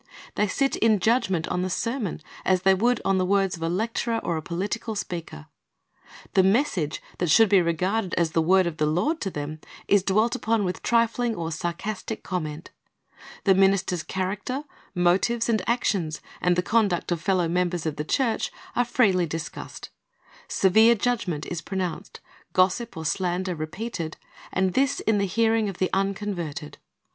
They sit in judgment on the sermon as they would on the words of a lecturer or a political speaker. The message that should be regarded as the word of the Lord to them is dwelt upon with trifling or sarcastic comment. The minister's character, motives, and actions, and the conduct of fellow members of the church, are freely discussed. Severe judgment is pronounced, gossip or slander repeated, and this in the hearing of the unconverted.